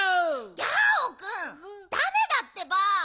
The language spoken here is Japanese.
ギャオくんだめだってば！